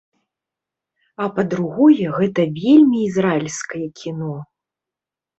А, па-другое, гэта вельмі ізраільскае кіно.